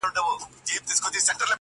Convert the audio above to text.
ستا د خولې سا~